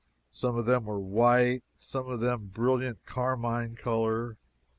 Some of them were white and some of a brilliant carmine color.